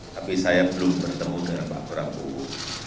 tapi saya belum bertemu dengan pak prabowo